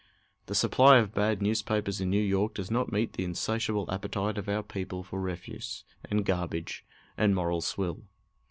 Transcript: The supply of bad newspapers in New York does not meet the insatiable appetite of our people for refuse, and garbage, and moral swill.